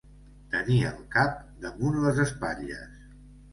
Tenir el cap damunt les espatlles.